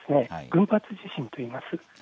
群発地震といいます。